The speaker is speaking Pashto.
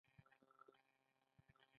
• بادام د تیزو او نرم غذایانو لپاره غوره دی.